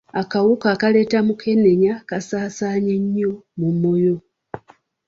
Akawuka akaleeta mukenenya kasaasaanye nnyo mu Moyo.